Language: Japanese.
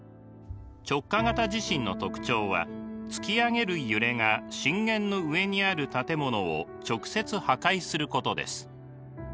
直下型地震の特徴は突き上げる揺れが震源の上にある建物を直接破壊することです。